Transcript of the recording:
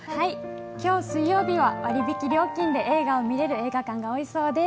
今日、水曜日は割引料金で映画を見れる映画館が多いそうです。